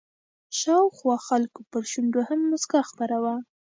شاوخوا خلکو پر شونډو هم مسکا خپره وه.